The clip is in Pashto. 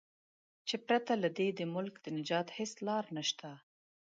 چې پرته له دې د ملک د نجات هیڅ لار نشته.